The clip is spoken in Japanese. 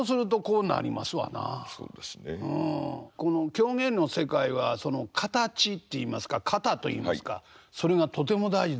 狂言の世界は形っていいますか型といいますかそれがとても大事だと思うんですが。